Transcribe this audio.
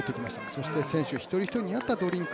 そして選手一人一人に上がったドリンク